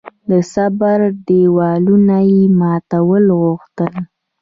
د صبر دېوالونه یې ماتول غوښتل.